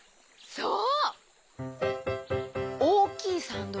そう！